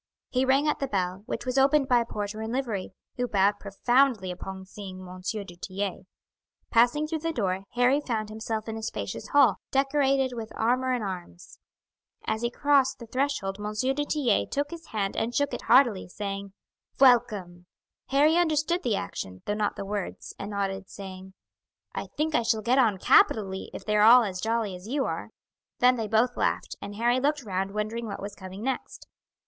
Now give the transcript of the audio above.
He rang at the bell, which was opened by a porter in livery, who bowed profoundly upon seeing M. du Tillet. Passing through the doorway, Harry found himself in a spacious hall, decorated with armour and arms. As he crossed the threshold M. du Tillet took his hand and shook it heartily, saying, "Welcome!" Harry understood the action, though not the words, and nodded, saying: "I think I shall get on capitally if they are all as jolly as you are." Then they both laughed, and Harry looked round wondering what was coming next.